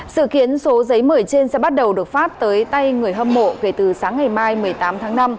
sự kiến số giấy mời trên sẽ bắt đầu được phát tới tay người hâm mộ kể từ sáng ngày mai một mươi tám tháng năm